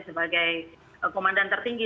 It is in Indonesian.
sebagai komandan tertinggi